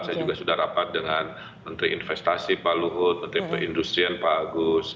saya juga sudah rapat dengan menteri investasi pak luhut menteri perindustrian pak agus